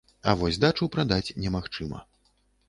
А вось дачу прадаць немагчыма.